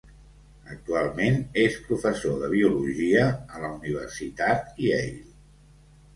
Actualment és professor de biologia a la Universitat Yale.